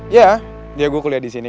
ya ya gue kuliah disini